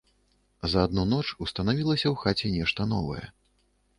За адну ноч устанавілася ў хаце нешта новае.